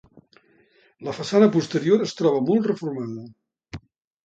La façana posterior es troba molt reformada.